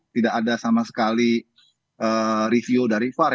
tidak ada sama sekali review dari var